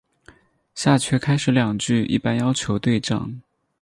下阕开始两句一般要求对仗。